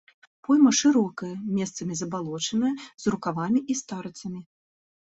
Пойма шырокая, месцамі забалочаная, з рукавамі і старыцамі.